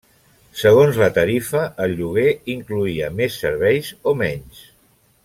Segons la tarifa, el lloguer incloïa més serveis o menys.